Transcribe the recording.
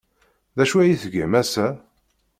D acu ay tgam ass-a?